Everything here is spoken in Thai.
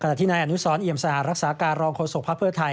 ที่นายอนุสรเอี่ยมสหรักษาการรองโฆษกภักดิ์เพื่อไทย